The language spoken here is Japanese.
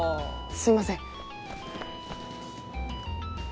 すいません。